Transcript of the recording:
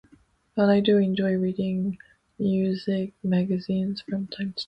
But I do enjoy reading music magazines from time to time.